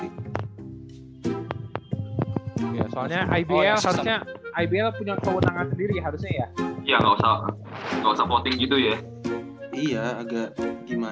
soalnya ibl punya keu tangan sendiri ya harusnya ya